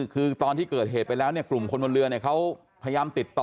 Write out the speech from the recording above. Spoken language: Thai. คือตอนที่เกิดเหตุไปแล้วเนี่ยกลุ่มคนบนเรือเขาพยายามติดต่อ